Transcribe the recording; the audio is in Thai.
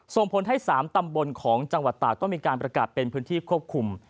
ส่งผลให้๓ตำบลของจังหวัดตากต้องมีการประกาศเป็นพื้นที่ควบคุม